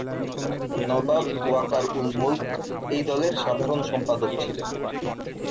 নবাব ওয়াকার উল মুলক এই দলের সাধারণ সম্পাদক ছিলেন।